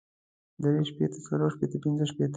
درې شپېته څلور شپېته پنځۀ شپېته